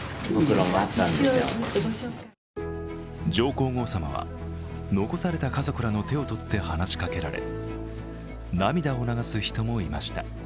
上皇后さまは残された家族らの手を取って話しかけられ、涙を流す人もいました。